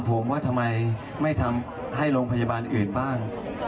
คุณจะถามผมทำไมไม่ทำให้โรงพยาบาลอื่นบ้าง